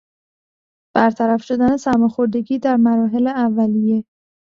برطرف شدن سرماخوردگی در مراحل اولیه